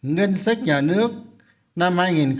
ngân sách nhà nước năm hai nghìn hai mươi một